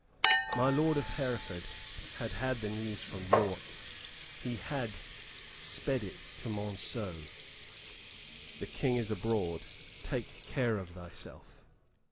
My lord of Hereford had had the news from York he had sped it to Monceux: "The King is abroad; take care of thyself."